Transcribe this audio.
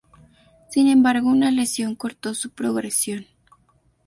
Sin embargo, una lesión cortó su progresión.